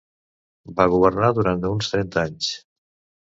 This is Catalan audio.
Va governar durant uns trenta anys.